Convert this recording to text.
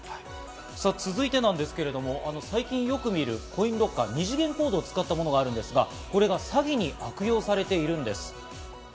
続いてですけれども、最近よく見るコインロッカー、二次元コードを使ったものがあるんですが、これが詐欺に悪用されているんです。